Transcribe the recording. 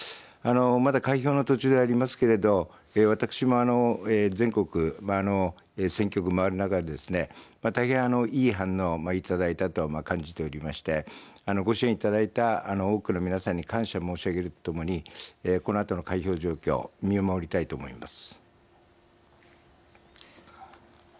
まだ開票の途中でありますけれども私も全国、選挙区を回る中で大変いい反応をいただいたと感じておりまして、ご支援いただいた多くの皆さんに感謝を申し上げるとともにこのあとの開票状況を見守りたいと思います。